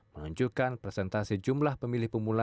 menunjukkan presentasi jumlah pemilih pemula